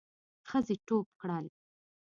ښځې ټوپ کړل.